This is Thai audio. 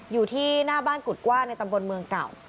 อยู่ที่หน้าบ้านกุฎกว้างในตำบลเมืองเก่า